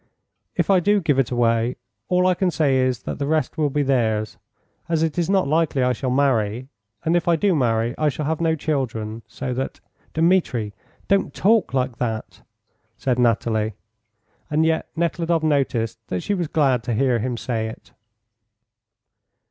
"If I do give it away, all I can say is that the rest will be theirs, as it is not likely I shall marry; and if I do marry I shall have no children, so that " "Dmitri, don't talk like that!" said Nathalie. And yet Nekhludoff noticed that she was glad to hear him say it.